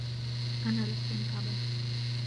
أنا لست متعباً.